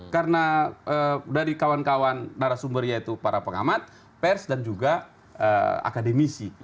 karena dari kawan kawan narasumbernya itu para pengamat pers dan juga akademisi